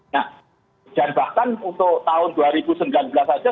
nah dan bahkan untuk tahun dua ribu sembilan belas saja